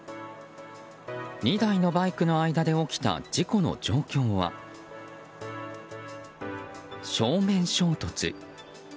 ２台のバイクの間で起きた事故の状況は、正面衝突。